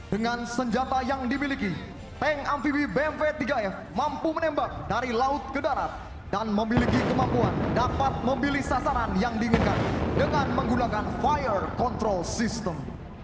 dengan senjata yang dimiliki tank amphibie bmv tiga f mampu menembak dari laut ke darat dan memiliki kemampuan dapat memilih sasaran yang diinginkan dengan menggunakan fire control system